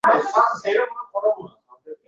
milliy namoyishi bo‘lib o‘tadi.